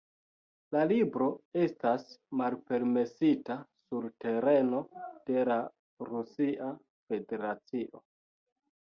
La libro estas malpermesita sur tereno de la Rusia Federacio.